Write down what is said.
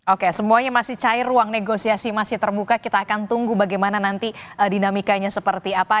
oke semuanya masih cair ruang negosiasi masih terbuka kita akan tunggu bagaimana nanti dinamikanya seperti apa